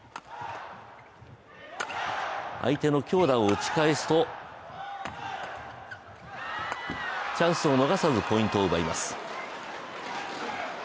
相手の強打を打ち返すとチャンスを逃さずポイントを奪います。